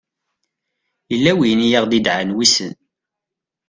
yella win i aɣ-d-idɛan wissen